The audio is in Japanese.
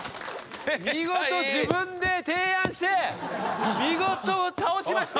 見事自分で提案して見事倒しました！